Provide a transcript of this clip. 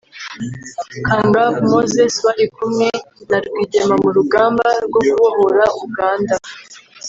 Kangavve Moses wari kumwe na Rwigema mu rugamba rwo kubohora Uganda